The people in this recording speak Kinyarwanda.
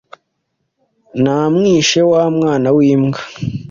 namwishe wa mwana w’imbwa